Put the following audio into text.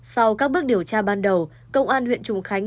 sau các bước điều tra ban đầu công an huyện trùng khánh